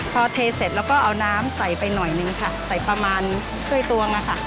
พอเทเสร็จแล้วก็เอาน้ำใส่ไปหน่อยนึงค่ะใส่ประมาณช่วยตวงอะค่ะ